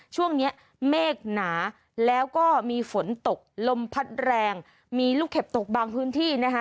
ช่วงนี้เมฆหนาแล้วก็มีฝนตกลมพัดแรงมีลูกเห็บตกบางพื้นที่นะคะ